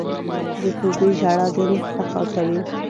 د توبې ژړا د روح صفا کوي.